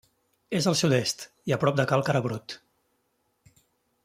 És al sud-est i a prop de Cal Carabrut.